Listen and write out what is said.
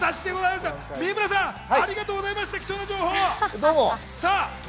三村さん、ありがとうございました。